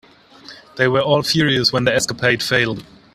They were all furious when the escapade failed.